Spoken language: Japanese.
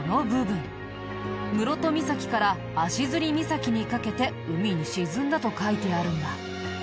「室戸岬から足摺岬にかけて海に沈んだ」と書いてあるんだ。